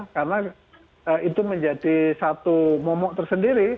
karena itu menjadi satu momok tersendiri